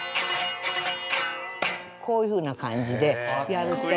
こういうふうな感じでやると。